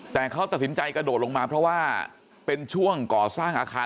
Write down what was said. แต่เขาตัดสินใจกระโดดลงมาเพราะว่าเป็นช่วงก่อสร้างอาคาร